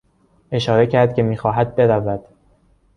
اشاره کرد که میخواهد برود.